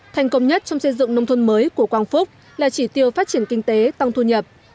thành công nhất trong xây dựng nông thôn mới của quang phúc là chỉ tiêu phát triển kinh tế tăng thu nhập